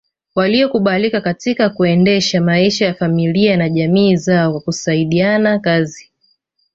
Walioukubali katika kuendesha maisha ya familia na jamii zao kwa kusaidiana kazi